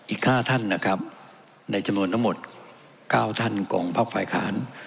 อีก๕ท่านนะครับในจำนวนทั้งหมด๙ท่านของภาคฝ่ายค้าน